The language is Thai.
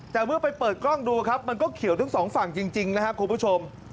แต่เมื่อไปเปิดกล้องดูครับมันก็เขียวทั้งสองฝั่งจริงนะครับคุณผู้ชม